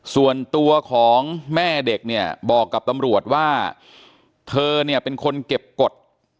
ส่วนตัวของแม่เด็กเนี่ยบอกกับตำรวจว่าเธอเนี่ยเป็นคนเก็บกฎ